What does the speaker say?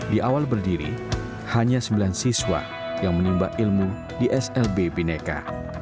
di awal berdiri hanya sembilan siswa yang menimba ilmu di slb bineka